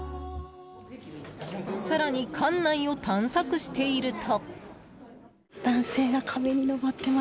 更に、館内を探索していると。